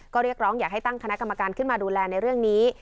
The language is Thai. ก็เรียกร้องอยากให้ตั้งคณะกรรมการขึ้นมาดูแลในเรื่องนี้